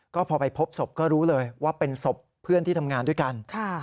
ก็พอไปพบศพก็รู้เลยว่าเป็นศพเพื่อนที่ทำงานด้วยกัน